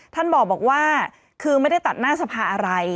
ท่านบอกว่าคือไม่ได้ตัดหน้าสภาอะไร